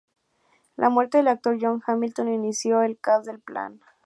La muerte del actor John Hamilton inició el caos del plan.